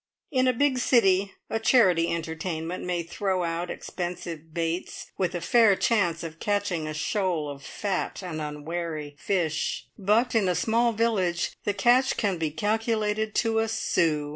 In a big city a charity entertainment may throw out expensive baits with a fair chance of catching a shoal of fat and unwary fish; but in a small village the catch can be calculated to a sou.